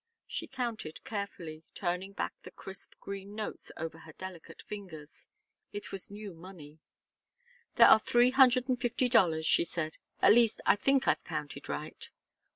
She counted carefully, turning back the crisp green notes over her delicate fingers. It was new money. "There are three hundred and fifty dollars," she said. "At least, I think I've counted right."